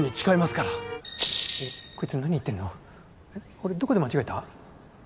俺どこで間違えた？